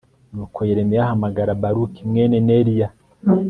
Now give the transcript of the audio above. Nuko Yeremiya ahamagara Baruki mwene Neriya